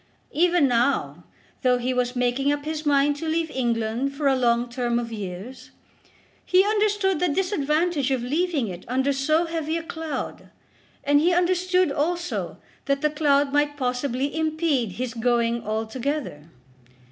Even now, though he was making up his mind to leave England for a long term of years, he understood the disadvantage of leaving it under so heavy a cloud; and he understood also that the cloud might possibly impede his going altogether.